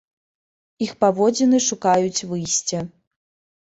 Іх паводзіны шукаюць выйсця.